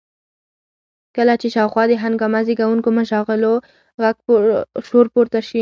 کله چې شاوخوا د هنګامه زېږوونکو مشاغلو شور پورته شي.